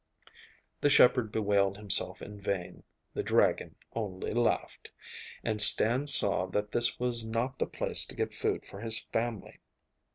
The shepherd bewailed himself in vain: the dragon only laughed, and Stan saw that this was not the place to get food for his family.